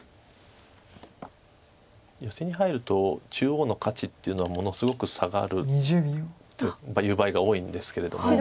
ヨセに入ると中央の価値っていうのはものすごく下がるっていう場合が多いんですけれども。